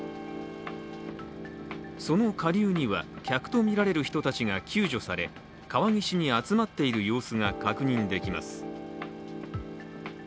その下流には、客とみられる人たちが救助され川岸に集まっている様子が確認できます。